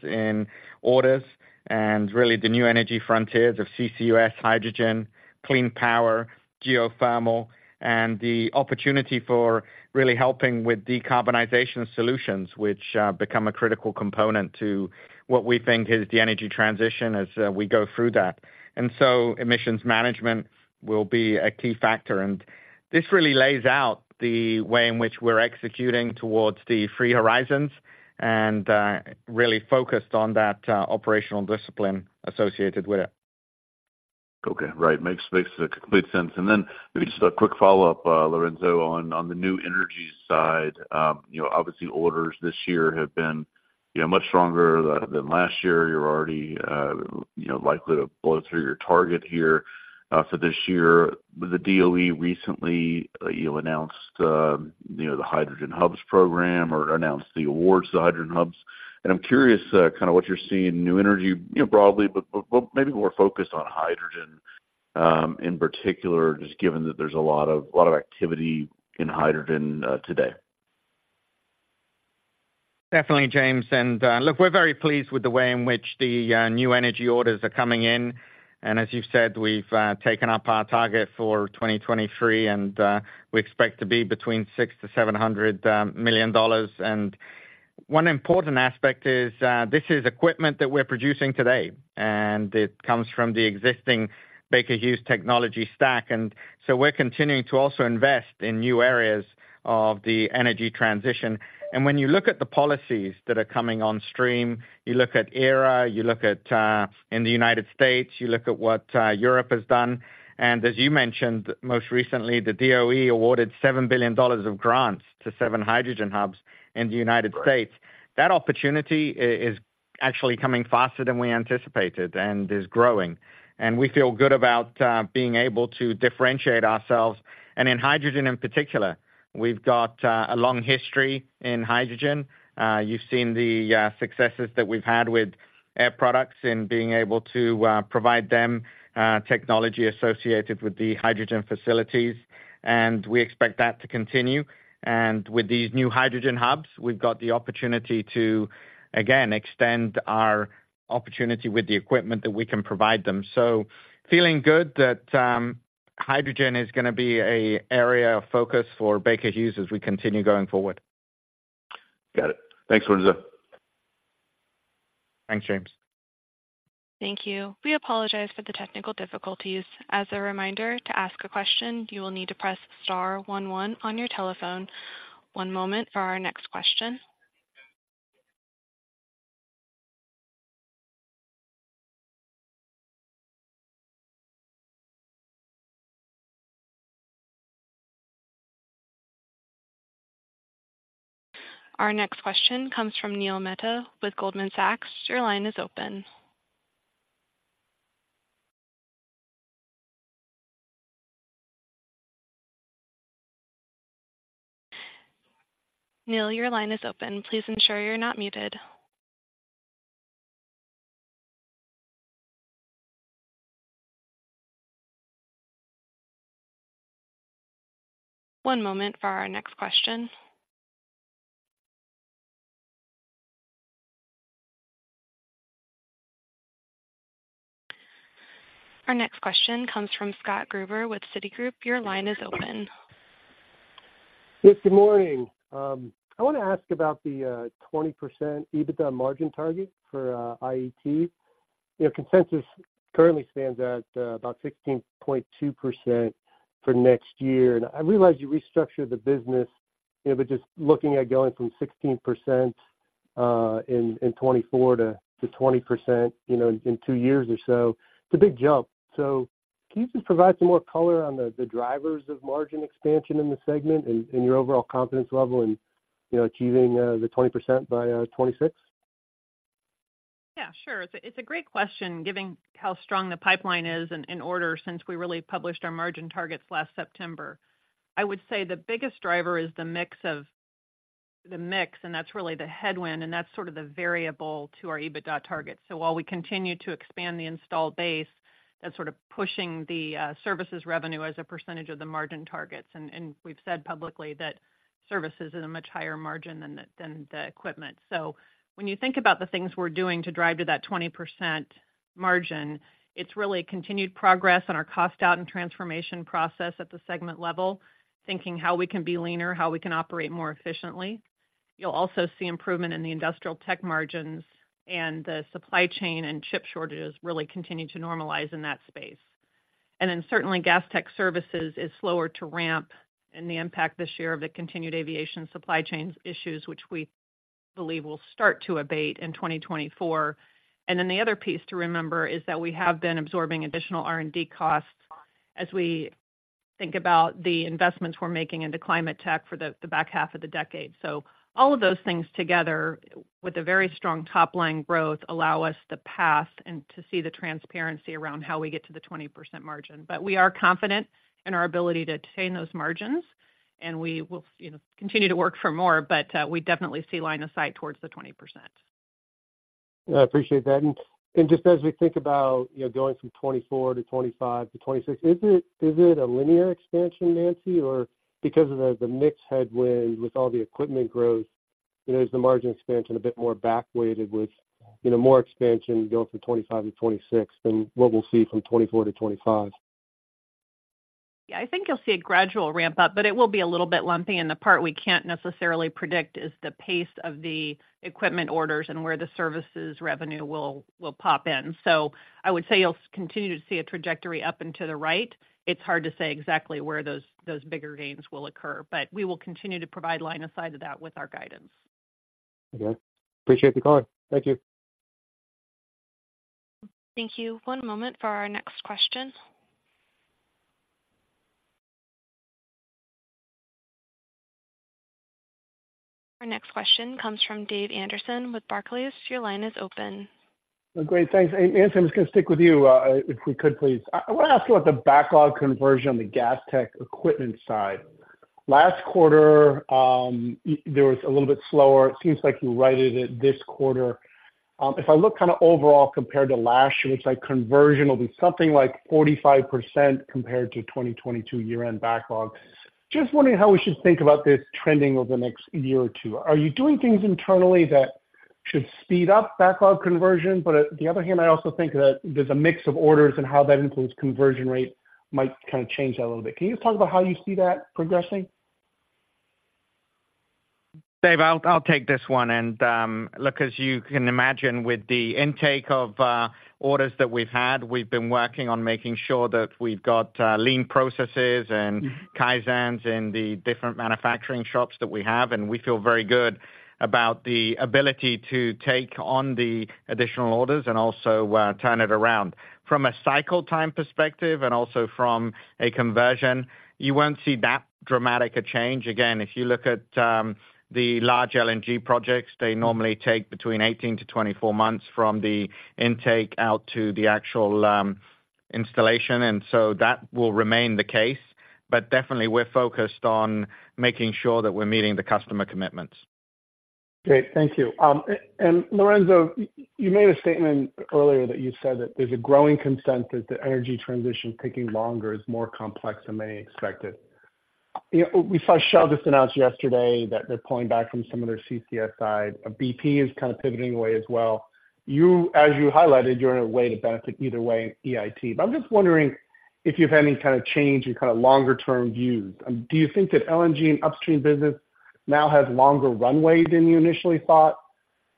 billion in orders, and really the new energy frontiers of CCUS, hydrogen, clean power, geothermal, and the opportunity for really helping with decarbonization solutions, which become a critical component to what we think is the energy transition as we go through that. So emissions management will be a key factor. This really lays out the way in which we're executing towards the three horizons and really focused on that operational discipline associated with it. Okay. Right. Makes complete sense. And then maybe just a quick follow-up, Lorenzo, on the new energy side. You know, obviously, orders this year have been, you know, much stronger than last year. You're already, you know, likely to blow through your target here, for this year. The DOE recently, you've announced, you know, the Hydrogen Hubs program or announced the awards to the Hydrogen Hubs. And I'm curious, kind of what you're seeing new energy, you know, broadly, but, but, but maybe more focused on hydrogen, in particular, just given that there's a lot of, a lot of activity in hydrogen, today. Definitely, James. And, look, we're very pleased with the way in which the new energy orders are coming in. And as you've said, we've taken up our target for 2023, and we expect to be between $600 million-$700 million. And one important aspect is this is equipment that we're producing today, and it comes from the existing Baker Hughes technology stack. And so we're continuing to also invest in new areas of the energy transition. And when you look at the policies that are coming on stream, you look at IRA, you look at in the United States, you look at what Europe has done. And as you mentioned, most recently, the DOE awarded $7 billion of grants to seven hydrogen hubs in the United States. That opportunity is actually coming faster than we anticipated and is growing, and we feel good about being able to differentiate ourselves. And in hydrogen, in particular, we've got a long history in hydrogen. You've seen the successes that we've had with Air Products, in being able to provide them technology associated with the hydrogen facilities, and we expect that to continue. And with these new hydrogen hubs, we've got the opportunity to, again, extend our opportunity with the equipment that we can provide them. So feeling good that hydrogen is gonna be a area of focus for Baker Hughes as we continue going forward. Got it. Thanks, Lorenzo. Thanks, James. Thank you. We apologize for the technical difficulties. As a reminder, to ask a question, you will need to press star one one on your telephone. One moment for our next question. Our next question comes from Neil Mehta with Goldman Sachs. Your line is open. Neil, your line is open. Please ensure you're not muted. One moment for our next question. Our next question comes from Scott Gruber with Citigroup. Your line is open. Yes, good morning. I want to ask about the 20% EBITDA margin target for IET. You know, consensus currently stands at about 16.2% for next year, and I realize you restructured the business, you know, but just looking at going from 16% in 2024 to 20%, you know, in two years or so, it's a big jump. So can you just provide some more color on the drivers of margin expansion in the segment and your overall confidence level in, you know, achieving the 20% by 2026? Yeah, sure. It's a great question, given how strong the pipeline is in order since we really published our margin targets last September. I would say the biggest driver is the mix of the mix, and that's really the headwind, and that's sort of the variable to our EBITDA target. So while we continue to expand the installed base, that's sort of pushing the services revenue as a percentage of the margin targets. And we've said publicly that services is a much higher margin than the equipment. So when you think about the things we're doing to drive to that 20% margin, it's really continued progress on our cost out and transformation process at the segment level, thinking how we can be leaner, how we can operate more efficiently. You'll also see improvement in the industrial tech margins, and the supply chain and chip shortages really continue to normalize in that space. And then certainly, Gas Tech Services is slower to ramp, and the impact this year of the continued aviation supply chain issues, which we believe will start to abate in 2024. And then the other piece to remember is that we have been absorbing additional R&D costs as we think about the investments we're making into climate tech for the back half of the decade. So all of those things together, with a very strong top-line growth, allow us to pass and to see the transparency around how we get to the 20% margin. But we are confident in our ability to attain those margins, and we will, you know, continue to work for more, but we definitely see line of sight towards the 20%. I appreciate that. And just as we think about, you know, going from 2024 to 2025 to 2026, is it a linear expansion, Nancy? Or because of the mix headwind with all the equipment growth, you know, is the margin expansion a bit more back weighted with, you know, more expansion going from 2025 to 2026 than what we'll see from 2024 to 2025? Yeah, I think you'll see a gradual ramp up, but it will be a little bit lumpy, and the part we can't necessarily predict is the pace of the equipment orders and where the services revenue will pop in. So I would say you'll continue to see a trajectory up and to the right. It's hard to say exactly where those bigger gains will occur, but we will continue to provide line of sight to that with our guidance. Okay. Appreciate the color. Thank you. Thank you. One moment for our next question. Our next question comes from Dave Anderson with Barclays. Your line is open. Great, thanks. And Nancy, I'm just going to stick with you, if we could, please. I want to ask you about the backlog conversion on the Gas Tech equipment side. Last quarter, there was a little bit slower. It seems like you righted it this quarter. If I look kind of overall compared to last year, it looks like conversion will be something like 45% compared to 2022 year-end backlog. Just wondering how we should think about this trending over the next year or two. Are you doing things internally that should speed up backlog conversion? But at the other hand, I also think that there's a mix of orders and how that includes conversion rate might kind of change that a little bit. Can you just talk about how you see that progressing? Dave, I'll, I'll take this one. And, look, as you can imagine, with the intake of, orders that we've had, we've been working on making sure that we've got, lean processes and Kaizens in the different manufacturing shops that we have, and we feel very good about the ability to take on the additional orders and also, turn it around. From a cycle time perspective and also from a conversion, you won't see that dramatic a change. Again, if you look at, the large LNG projects, they normally take between 18-24 months from the intake out to the actual, installation, and so that will remain the case. But definitely we're focused on making sure that we're meeting the customer commitments. Great. Thank you. And Lorenzo, you made a statement earlier that you said that there's a growing consensus that the energy transition, taking longer, is more complex than many expected. You know, we saw Shell just announced yesterday that they're pulling back from some of their CCS side. BP is kind of pivoting away as well. You, as you highlighted, you're in a way to benefit either way in IET. But I'm just wondering if you've had any kind of change in kind of longer term views. Do you think that LNG and upstream business now has longer runway than you initially thought?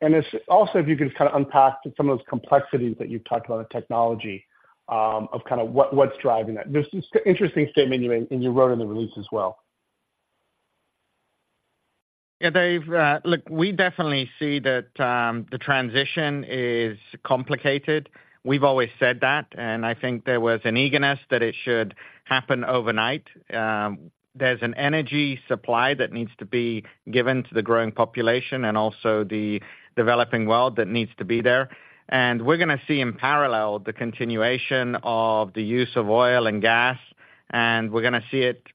And if also, if you could kind of unpack some of those complexities that you've talked about, the technology, of kind of what, what's driving that. This is interesting statement you made, and you wrote in the release as well. Yeah, Dave, look, we definitely see that, the transition is complicated. We've always said that, and I think there was an eagerness that it should happen overnight. There's an energy supply that needs to be given to the growing population and also the developing world that needs to be there. And we're gonna see, in parallel, the continuation of the use of oil and gas, and we're gonna see it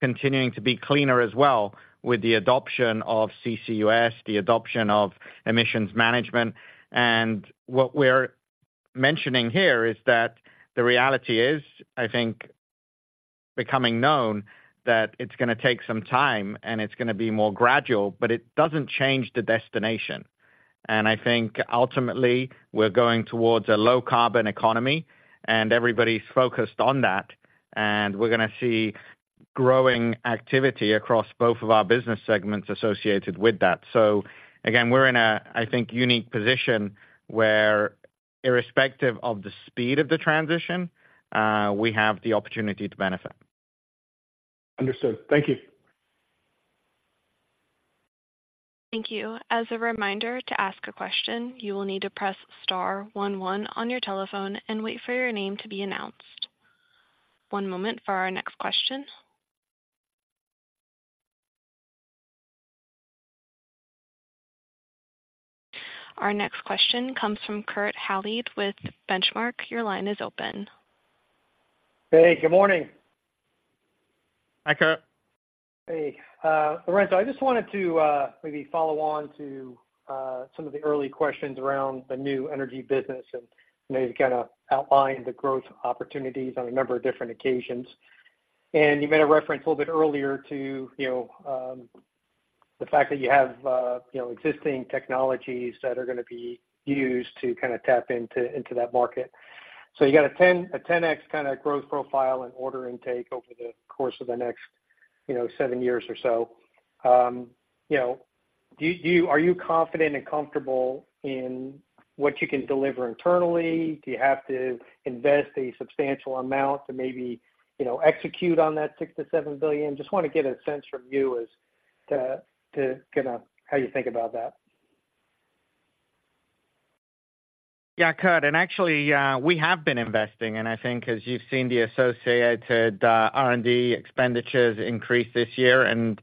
continuing to be cleaner as well with the adoption of CCUS, the adoption of emissions management. And what we're mentioning here is that the reality is, I think, becoming known that it's gonna take some time, and it's gonna be more gradual, but it doesn't change the destination. I think ultimately, we're going towards a low-carbon economy, and everybody's focused on that, and we're gonna see growing activity across both of our business segments associated with that. So again, we're in a, I think, unique position where irrespective of the speed of the transition, we have the opportunity to benefit. Understood. Thank you. Thank you. As a reminder, to ask a question, you will need to press star one one on your telephone and wait for your name to be announced. One moment for our next question. Our next question comes from Kurt Hallead with Benchmark. Your line is open. Hey, good morning. Hi, Kurt. Hey, Lorenzo, I just wanted to maybe follow on to some of the early questions around the new energy business, and you've kinda outlined the growth opportunities on a number of different occasions. And you made a reference a little bit earlier to, you know, the fact that you have existing technologies that are gonna be used to kinda tap into, into that market. So you got a 10x kinda growth profile and order intake over the course of the next, you know, 7 years or so. You know, do you, are you confident and comfortable in what you can deliver internally? Do you have to invest a substantial amount to maybe, you know, execute on that $6 billion-$7 billion? Just wanna get a sense from you as to, to kinda how you think about that. Yeah, Kurt, and actually, we have been investing, and I think as you've seen the associated R&D expenditures increase this year, and,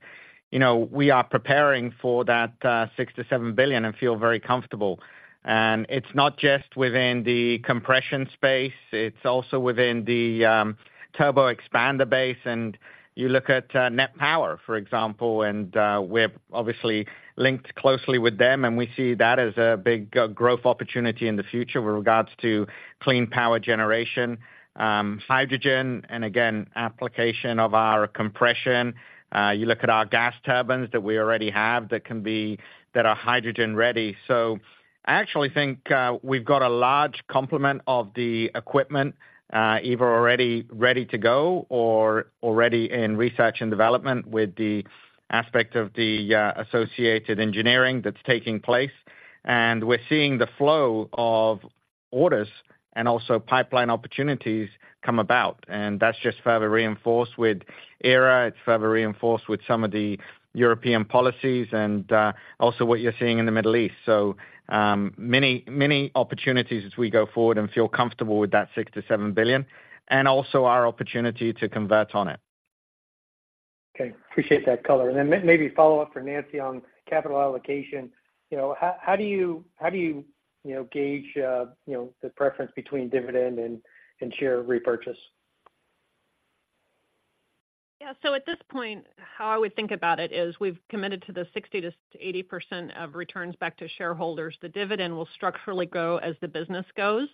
you know, we are preparing for that $6 billion-$7 billion and feel very comfortable. And it's not just within the compression space, it's also within the turbo expander base, and you look at Net Power, for example, and we're obviously linked closely with them, and we see that as a big growth opportunity in the future with regards to clean power generation, hydrogen, and again, application of our compression. You look at our gas turbines that we already have that can be... that are hydrogen ready. So I actually think we've got a large complement of the equipment, either already ready to go or already in research and development, with the aspect of the associated engineering that's taking place. And we're seeing the flow of orders and also pipeline opportunities come about, and that's just further reinforced with IRA. It's further reinforced with some of the European policies and also what you're seeing in the Middle East. So many, many opportunities as we go forward and feel comfortable with that $6 billion-$7 billion, and also our opportunity to convert on it. Okay, appreciate that color. And then maybe follow up for Nancy on capital allocation. You know, how do you, you know, gauge the preference between dividend and share repurchase? Yeah, so at this point, how I would think about it is we've committed to the 60%-80% of returns back to shareholders. The dividend will structurally grow as the business goes,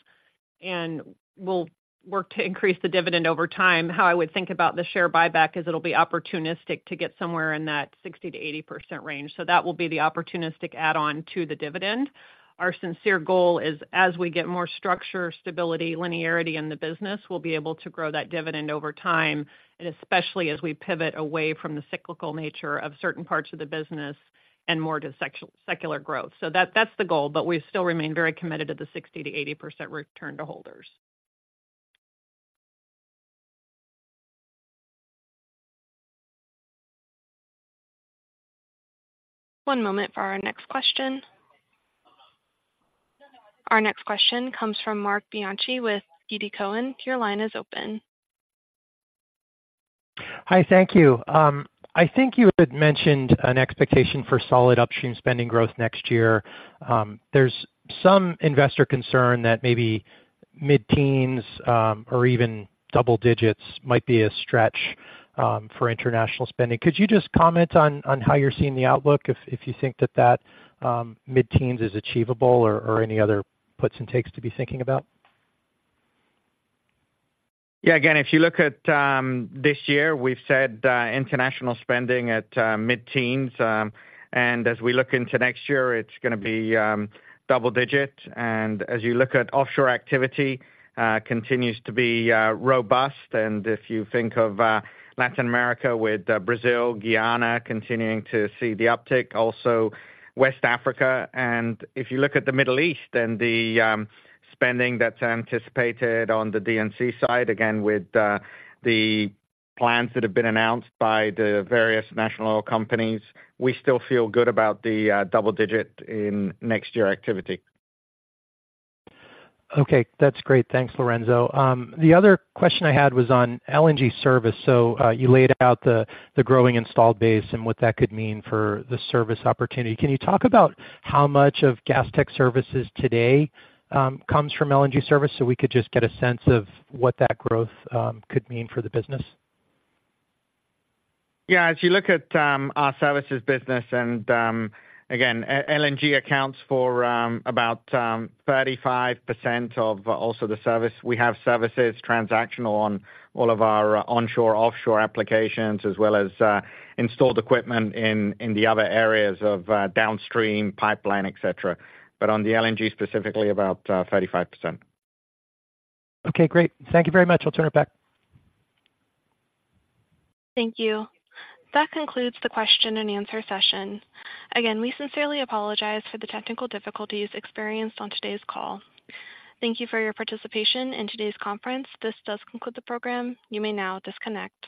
and we'll work to increase the dividend over time. How I would think about the share buyback is it'll be opportunistic to get somewhere in that 60%-80% range. So that will be the opportunistic add-on to the dividend. Our sincere goal is as we get more structure, stability, linearity in the business, we'll be able to grow that dividend over time, and especially as we pivot away from the cyclical nature of certain parts of the business and more to secular growth. So that's the goal, but we still remain very committed to the 60%-80% return to holders. One moment for our next question. Our next question comes from Marc Bianchi with TD Cowen. Your line is open. Hi, thank you. I think you had mentioned an expectation for solid upstream spending growth next year. There's some investor concern that maybe mid-teens or even double digits might be a stretch for international spending. Could you just comment on how you're seeing the outlook, if you think that mid-teens is achievable or any other puts and takes to be thinking about? Yeah, again, if you look at this year, we've said international spending at mid-teens, and as we look into next year, it's gonna be double digit. And as you look at offshore activity, continues to be robust. And if you think of Latin America with Brazil, Guyana, continuing to see the uptick, also West Africa. And if you look at the Middle East and the spending that's anticipated on the D&C side, again, with the plans that have been announced by the various national oil companies, we still feel good about the double digit in next year activity. Okay. That's great. Thanks, Lorenzo. The other question I had was on LNG service. So, you laid out the growing installed base and what that could mean for the service opportunity. Can you talk about how much of gas tech services today comes from LNG service, so we could just get a sense of what that growth could mean for the business? Yeah, as you look at our services business, and again, LNG accounts for about 35% of also the service. We have services transactional on all of our onshore, offshore applications, as well as installed equipment in the other areas of downstream, pipeline, et cetera. But on the LNG, specifically, about 35%. Okay, great. Thank you very much. I'll turn it back. Thank you. That concludes the question and answer session. Again, we sincerely apologize for the technical difficulties experienced on today's call. Thank you for your participation in today's conference. This does conclude the program. You may now disconnect.